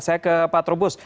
saya ke pak trubus